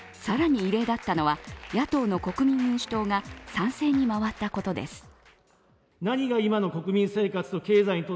更に異例だったのは、野党の国民民主党が賛成に回ったことです。